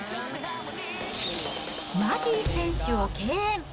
マギー選手を敬遠。